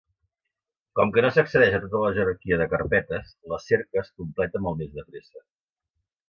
Com que no s'accedeix a tota la jerarquia de carpetes, la cerca es completa molt més de pressa.